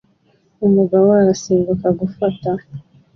Umugabo arasimbuka gufata